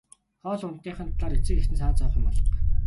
Хоол ундных нь талаар эцэг эхэд нь санаа зовох юм алга.